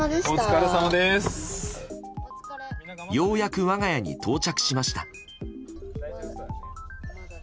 ようやく我が家に到着しました。